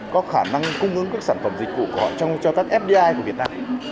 có khả năng cung ứng các sản phẩm dịch vụ của họ trong cho các fdi của việt nam